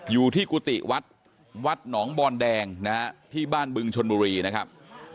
อยู่ที่กุฏิวัดวัดหนองบอนแดงนะฮะที่บ้านบึงชนบุรีนะครับ